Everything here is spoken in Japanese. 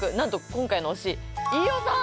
今回の推し・飯尾さん！